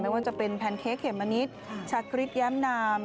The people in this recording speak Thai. ไม่ว่าจะเป็นแพนเค้กเหมือนิดชะกริดแย้มนาม